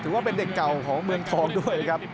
ว่าเป็นเด็กเก่าของเมืองทองด้วยนะครับ